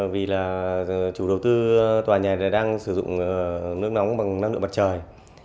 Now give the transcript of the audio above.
vì là chủ đầu tư tòa nhà này đang sử dụng nước nóng bằng năng lượng mặt trời